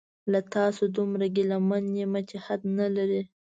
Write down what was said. له تاسو دومره ګیله من یمه چې حد نلري